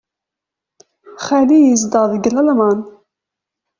Xali yezdeɣ deg Lalman.